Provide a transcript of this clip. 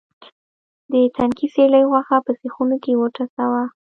د تنکي سېرلي غوښه په سیخونو کې وټسوه.